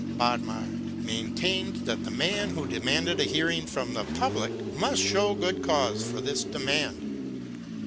Bodmer maintained that the man who demanded a hearing from the public must show good cause for this demand.